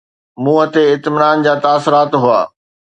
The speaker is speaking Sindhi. منهن تي اطمينان جا تاثرات هئا